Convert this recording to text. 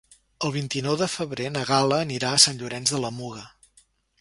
El vint-i-nou de febrer na Gal·la anirà a Sant Llorenç de la Muga.